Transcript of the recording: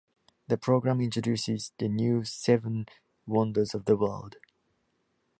The program introduces the new Seven Wonders of the World.